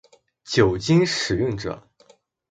酒精使用者